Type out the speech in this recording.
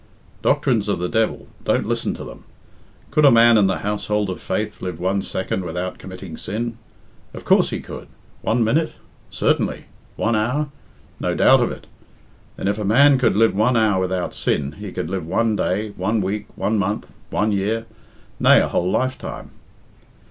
Doctrines of the devil don't listen to them. Could a man in the household of faith live one second without committing sin? Of course he could. One minute? Certainly. One hour? No doubt of it. Then, if a man could live one hour without sin, he could live one day, one week, one month, one year nay, a whole lifetime.